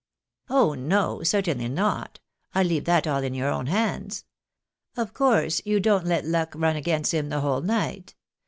" Oh no ! certainly not. I leave that all in your own hands. Of course you don't let luck run agamst him the whole night.